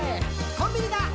「コンビニだ！